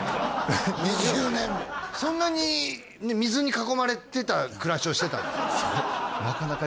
そんなに水に囲まれてた暮らしをしてたんですか？